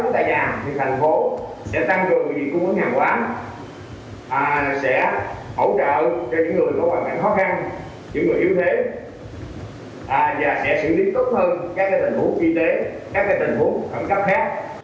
và sẽ xử lý tốt hơn các cái tình huống y tế các cái tình huống khẩn cấp khác